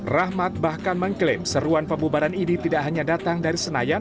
rahmat bahkan mengklaim seruan pembubaran ini tidak hanya datang dari senayan